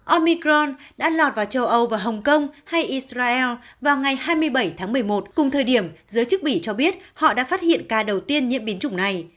omicron đã lọt vào châu âu và hồng kông hay isral vào ngày hai mươi bảy tháng một mươi một cùng thời điểm giới chức bỉ cho biết họ đã phát hiện ca đầu tiên nhiễm biến chủng này